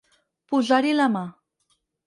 Posar-hi la mà.